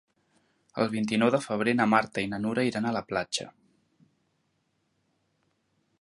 El vint-i-nou de febrer na Marta i na Nura iran a la platja.